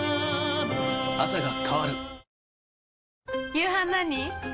夕飯何？